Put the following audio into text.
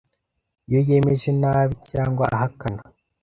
iyo yemeje nabi cyangwa ahakana